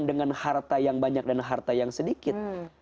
dengan harta yang banyak dan harta yang sedikit